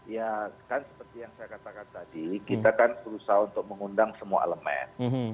ya kan seperti yang saya katakan tadi kita kan berusaha untuk mengundang semua elemen